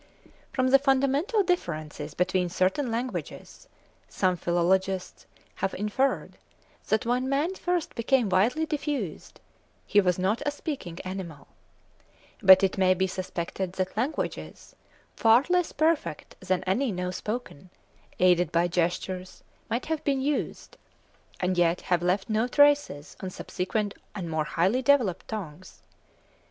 From the fundamental differences between certain languages, some philologists have inferred that when man first became widely diffused, he was not a speaking animal; but it may be suspected that languages, far less perfect than any now spoken, aided by gestures, might have been used, and yet have left no traces on subsequent and more highly developed tongues.